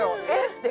って。